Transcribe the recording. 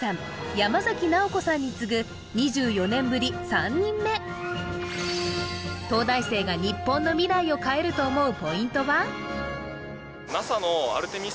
山崎直子さんに次ぐ東大王が日本の未来を変えると思うポイントは？